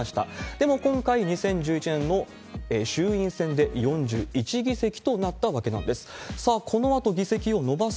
でも今回、２０１１年の衆院選で４１議席となったわけなんです。